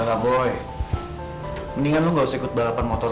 enggak boleh mendingan lu nggak ikut balapan motor